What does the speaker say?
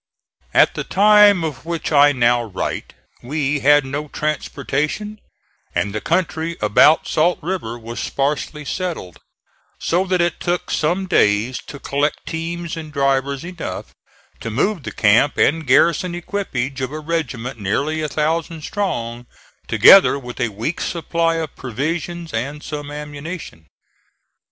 At the time of which I now write we had no transportation and the country about Salt River was sparsely settled, so that it took some days to collect teams and drivers enough to move the camp and garrison equipage of a regiment nearly a thousand strong, together with a week's supply of provision and some ammunition.